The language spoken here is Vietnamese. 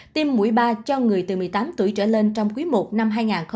tiêm mũi ba cho người từ một mươi tám tuổi trở lên trong quý i năm hai nghìn hai mươi